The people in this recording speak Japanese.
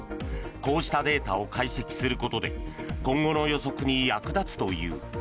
こうしたデータを解析することで今後の予測に役立つという。